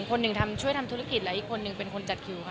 คนหนึ่งทำช่วยทำธุรกิจและอีกคนนึงเป็นคนจัดคิวค่ะ